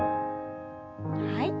はい。